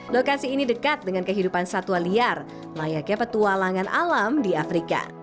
lokasi ini dekat dengan kehidupan satwa liar layaknya petualangan alam di afrika